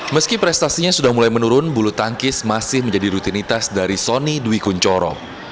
meski prestasinya sudah mulai menurun bulu tangkis masih menjadi rutinitas dari sonny dwi kunchoro